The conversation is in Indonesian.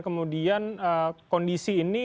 kemudian kondisi ini